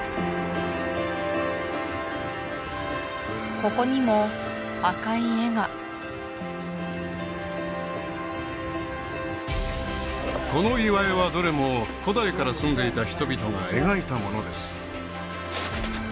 ここにも赤い絵がこの岩絵はどれも古代から住んでいた人々が描いたものです